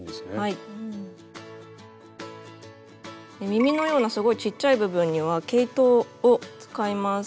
耳のようなすごいちっちゃい部分には毛糸を使います。